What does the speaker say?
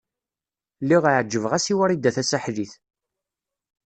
Lliɣ ɛejbeɣ-as i Wrida Tasaḥlit.